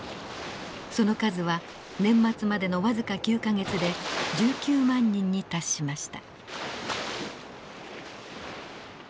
その数は年末までの僅か９か月で１９万人に達しました。